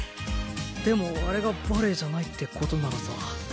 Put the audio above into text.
でもあれがバレエじゃないってことならさ。